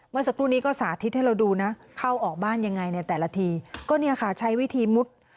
เมื่อสักครู่นี้ก็สาธิตให้เราดูนะเข้าออกบ้านยังไงในแต่ละทีก็เนี่ยค่ะใช้วิธีมุด